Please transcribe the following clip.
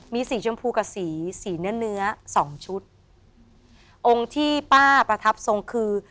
มีสีชมพูกับสีสีเนื้อเนื้อสองชุดองค์ที่ป้าประทับทรงคือ